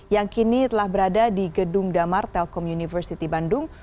yang kini telah berada di gedung damar telkom university bandung